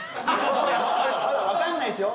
分かんないですよ